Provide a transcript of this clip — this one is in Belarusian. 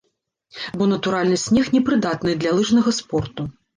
Бо натуральны снег не прыдатны для лыжнага спорту.